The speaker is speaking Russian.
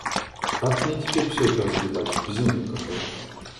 Как мне теперь все это разгребать? Безумие какое-то.